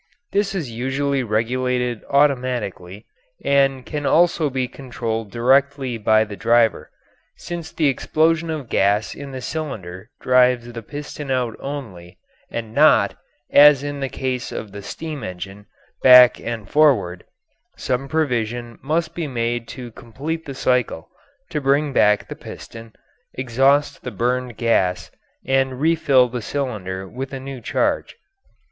This is usually regulated automatically, and can also be controlled directly by the driver. Since the explosion of gas in the cylinder drives the piston out only, and not, as in the case of the steam engine, back and forward, some provision must be made to complete the cycle, to bring back the piston, exhaust the burned gas, and refill the cylinder with a new charge.